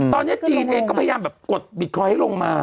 ตอนนี้จีนเองก็พยายามแบบกดบิตคอยน์ลงมา